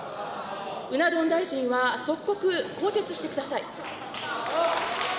うな丼大臣は即刻更迭してください。